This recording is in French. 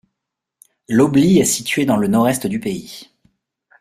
L'oblys est situé dans le nord-est du pays.